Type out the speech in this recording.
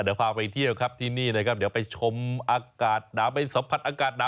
เดี๋ยวพาไปเที่ยวครับที่นี่นะครับเดี๋ยวไปชมอากาศหนาวไปสัมผัสอากาศหนาว